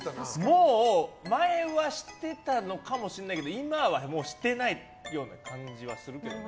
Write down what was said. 前はしてたのかもしれないけど今はもう、してないような感じはするけどね。